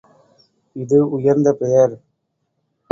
இது உயர்ந்த பெயர்.